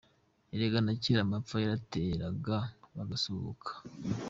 Erega na kera amapfa yarateraga bagasuhuka